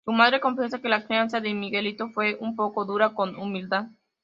Su madre confiesa que “la crianza de Miguelito fue un poco dura, con humildad.